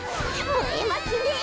もえますねえ！